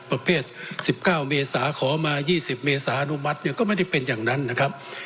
ประเภท๑๙เมษาขอมา๒๐เมษาอนุมัติเนี่ยก็ไม่ได้เป็นอย่างนั้นนะครับ